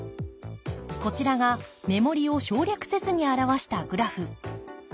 こちらが目盛りを省略せずに表したグラフ。